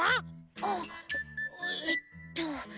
あっえっと。